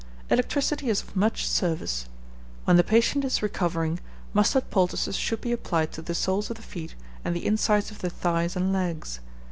Electricity is of much service. When the patient is recovering, mustard poultices should be applied to the soles of the feet and the insides of the thighs and legs.